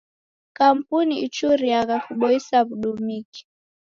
Kampuni ichuriagha kuboisa w'udumiki.